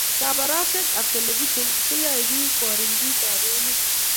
Kabarashek ab televishen koyaipik koringik ab emt